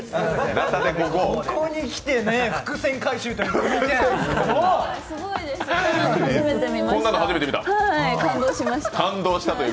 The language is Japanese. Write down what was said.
ここにきて伏線回収という。